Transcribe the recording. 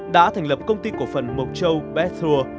đã thành lập công ty cổ phần mục châu